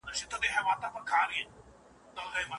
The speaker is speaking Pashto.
د خلګو ازادي د ژوند اساس دی.